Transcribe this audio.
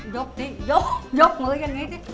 ยกรูดิยกมื้อกันหนึ่ง